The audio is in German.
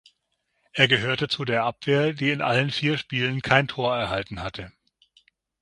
Er gehörte zu der Abwehr, die in allen vier Spielen kein Tor erhalten hatte.